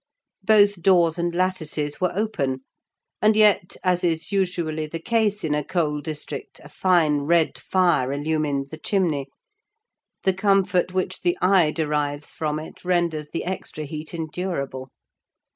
Both doors and lattices were open; and yet, as is usually the case in a coal district, a fine red fire illumined the chimney: the comfort which the eye derives from it renders the extra heat endurable.